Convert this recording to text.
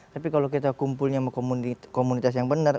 tapi kalau kita kumpulnya komunitas yang benar